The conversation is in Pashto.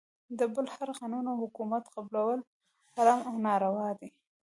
د بل هر قانون او حکومت قبلول حرام او ناروا دی .